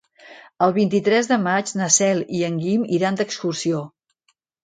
El vint-i-tres de maig na Cel i en Guim iran d'excursió.